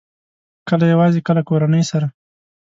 کله یوازې، کله کورنۍ سره